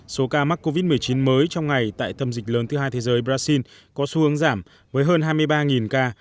số ca mắc covid một mươi chín mới trong ngày tại tâm dịch lớn thứ hai thế giới brazil có xu hướng giảm với hơn hai mươi ba ca